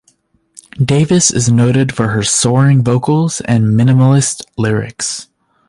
Davis is noted for her soaring vocals and minimalist lyrics.